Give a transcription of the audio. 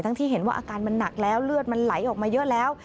ที่เห็นว่าอาการมันหนักแล้วเลือดมันไหลออกมาเยอะแล้ว